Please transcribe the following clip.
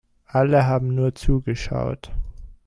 Alle haben nur zugeschaut.